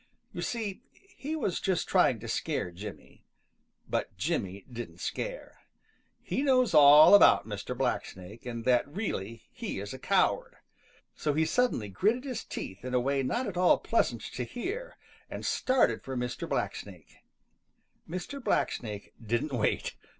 You see, he was just trying to scare Jimmy. But Jimmy didn't scare. He knows all about Mr. Blacksnake and that really he is a coward. So he suddenly gritted his teeth in a way not at all pleasant to hear and started for Mr. Blacksnake. Mr. Blacksnake didn't wait.